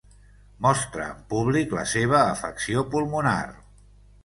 Mostra en públic la seva afecció pulmonar.